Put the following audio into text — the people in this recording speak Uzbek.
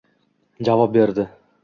javob berdi